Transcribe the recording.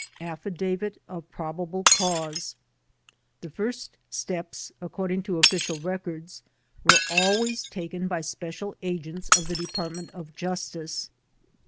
Affidavit of Probable Cause The first steps, according to official records, were al ways taken by special agents of the Department of Justice.